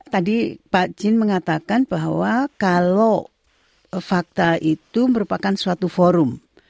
tadi pak jin mengatakan bahwa kalau fakta itu merupakan suatu forum